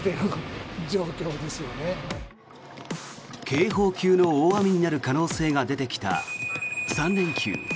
警報級の大雨になる可能性が出てきた３連休。